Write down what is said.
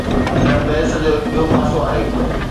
هن بحث جو هڪ ٻيو پاسو آهي.